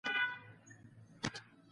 هغه دري دېرش زره واره دغه ذکر وکړ.